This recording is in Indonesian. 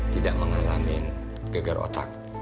tidak mengalami gegar otak